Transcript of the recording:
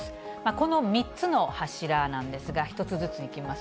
この３つの柱なんですが、１つずついきます。